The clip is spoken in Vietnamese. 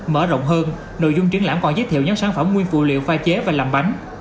mở rộng hơn nội dung triển lãm còn giới thiệu nhóm sản phẩm nguyên phụ liệu pha chế và làm bánh